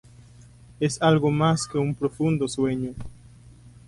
Es algo más que un profundo sueño.